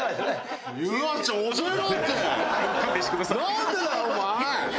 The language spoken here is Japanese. なんでだよお前！